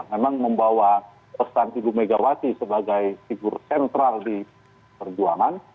memang membawa pesan ibu megawati sebagai figur sentral di perjuangan